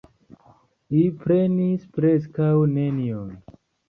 Ili prenis preskaŭ nenion.